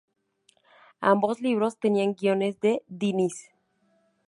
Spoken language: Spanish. Ambos libros tenían guiones de Diniz.